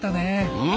うん！